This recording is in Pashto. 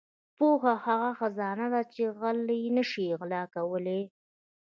• پوهه هغه خزانه ده چې غله یې نشي غلا کولای.